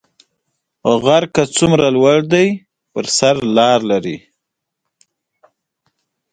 موږ باید د خپل مالي حالت څارنه وکړو.